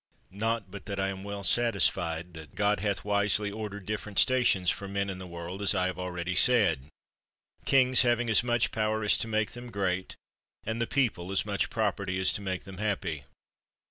Not but that I am well satisfied that God hath wisely ordered different stations for men in the world, as I have already said; kings having as much power as to make them great and the people as much property as to make them happy.